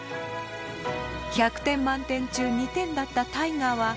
１００点満点中２点だった大我は。